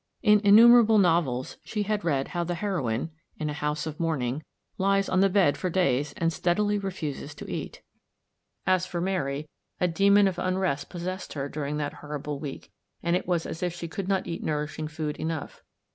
In innumerable novels she had read how the heroine, in a house of mourn ing, lies on the bed for days and steadily re fuses to eat. As for Mary, a demon of unrest possessed her during that horrible week, and it was as if she could not eat nourishing food enough.